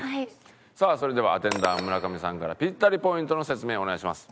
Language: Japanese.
さあそれではアテンダー村上さんからピッタリポイントの説明お願いします。